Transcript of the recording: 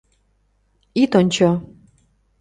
— Ит ончо!